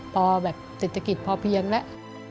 พอแบบเศรษฐกิจพอเพียงแล้ว